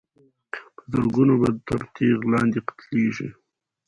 په زرګونو به تر تېغ لاندي قتلیږي